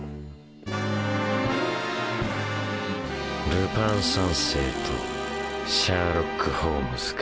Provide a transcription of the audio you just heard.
ルパン三世とシャーロック・ホームズか